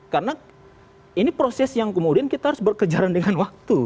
karena ini proses yang kemudian kita harus berkejaran dengan waktu